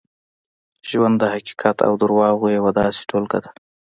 ژوند د حقیقت او درواغو یوه داسې ټولګه ده.